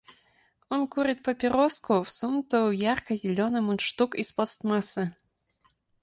Он курит папироску, всунутую в ярко-зеленый мундштук из пластмассы.